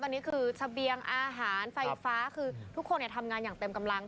ตอนนี้คือเสบียงอาหารไฟฟ้าคือทุกคนทำงานอย่างเต็มกำลัง